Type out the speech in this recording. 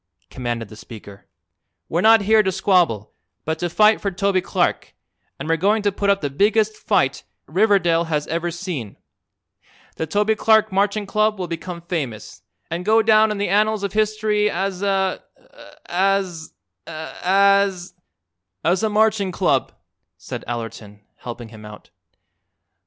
commanded the speaker. "We're not here to squabble, but to fight for Toby Clark, and we're going to put up the biggest fight Riverdale has ever seen. The Toby Clark Marching Club will become famous, an' go down in the annals of history as a as as " "As a Marching Club," said Allerton, helping him out.